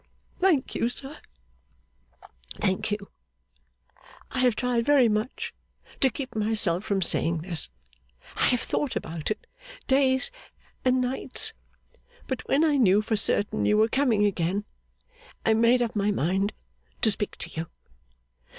'Thank you, sir. Thank you! I have tried very much to keep myself from saying this; I have thought about it, days and nights; but when I knew for certain you were coming again, I made up my mind to speak to you.